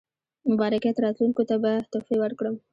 مبارکۍ ته راتلونکو ته به تحفې ورکړم.